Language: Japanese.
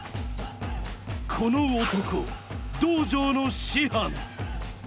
この男道場の師範。